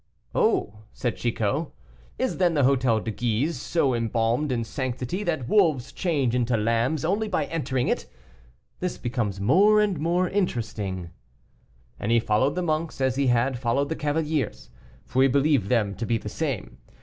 "Oh!" said Chicot, "is, then, the Hôtel Guise so embalmed in sanctity that wolves change into lambs only by entering it? This becomes more and more interesting." And he followed the monks as he had followed the cavaliers, for he believed them to be the same.